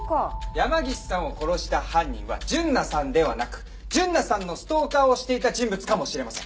山岸さんを殺した犯人は純奈さんではなく純奈さんのストーカーをしていた人物かもしれません。